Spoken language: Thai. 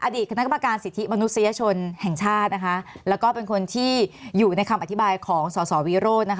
คณะกรรมการสิทธิมนุษยชนแห่งชาตินะคะแล้วก็เป็นคนที่อยู่ในคำอธิบายของสอสอวิโรธนะคะ